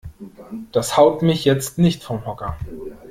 Das haut mich jetzt nicht vom Hocker.